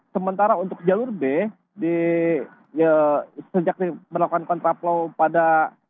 sementara untuk jalur b sejak melakukan kontraflow pada